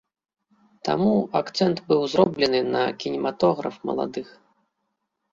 Таму акцэнт быў зроблены на кінематограф маладых.